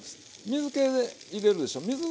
水け入れるでしょう。